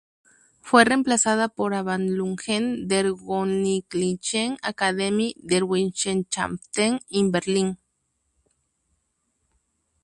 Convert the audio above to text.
Fue reemplazada por "Abhandlungen der Königlichen Akademie der Wissenschaften in Berlin".